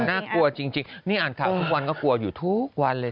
น่ากลัวจริงนี่อ่านข่าวทุกวันก็กลัวอยู่ทุกวันเลย